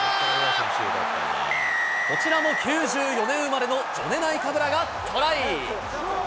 こちらも９４年生まれのジョネ・ナイカブラがトライ。